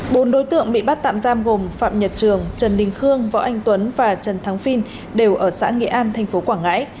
bốn đối tượng bị bắt tạm giam gồm phạm nhật trường trần đình khương võ anh tuấn và trần thắng phi đều ở xã nghệ an thành phố quảng ngãi